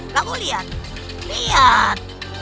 kamu lihat lihat